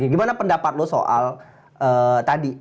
gimana pendapat lo soal tadi